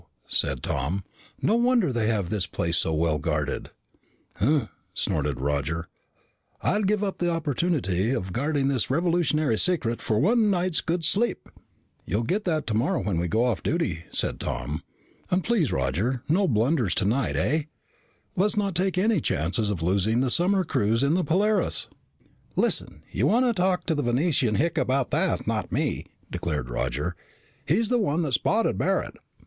said Tom. "No wonder they have this place so well guarded." "Humph," snorted Roger. "I'd give up the opportunity of guarding this revolutionary secret for one night's good sleep." "You'll get that tomorrow when we go off duty," said Tom. "And please, Roger, no blunders tonight, eh? Let's not take any chances of losing the summer cruise in the Polaris." "Listen! You want to talk to the Venusian hick about that, not me," declared Roger. "He's the one that spotted Barret."